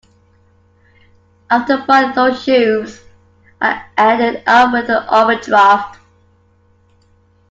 After buying those shoes I ended up with an overdraft